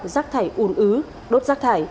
rác thải un ứ đốt rác thải